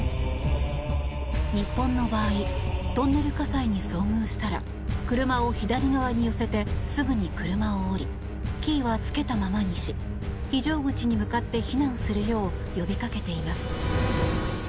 日本の場合トンネル火災に遭遇したら車を左側に寄せてすぐに車を降りキーはつけたままにし非常口に向かって避難するよう呼びかけています。